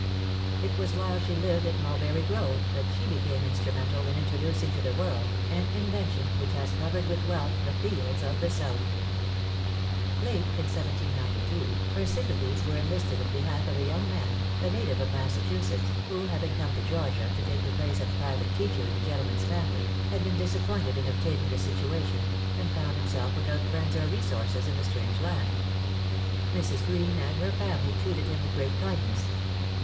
It was while she lived at Mulberry Grove, that she became instrumental in introducing to the world an invention which has covered with wealth the fields of the South. Late in 1792, her sympathies were enlisted in behalf of a young man, a native of Massachusetts, who having come to Georgia to take the place of private teacher in a gentleman's family, had been disappointed in obtaining the situation, and found himself without friends or resources in a strange land. Mrs. Greene and her family treated him with great kindness.